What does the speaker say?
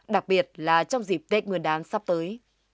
đặc biệt là trong dịp kết nguyên đáng sắp tới